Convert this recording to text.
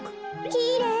きれい！